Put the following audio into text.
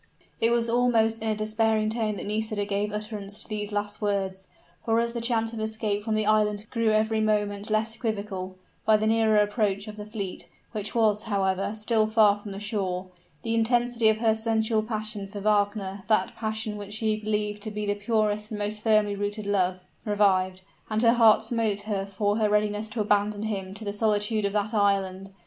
It was almost in a despairing tone that Nisida gave utterance to these last words; for as the chance of escape from the island grew every moment less equivocal, by the nearer approach of the fleet, which was, however, still far from the shore, the intensity of her sensual passion for Wagner, that passion which she believed to be the purest and most firmly rooted love, revived; and her heart smote her for her readiness to abandon him to the solitude of that island.